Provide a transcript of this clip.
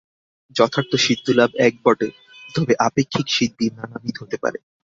যথার্থ সিদ্ধিলাভ এক বটে, তবে আপেক্ষিক সিদ্ধি নানাবিধ হতে পারে।